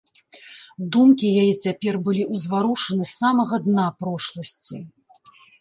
Думкі яе цяпер былі ўзварушаны з самага дна прошласці.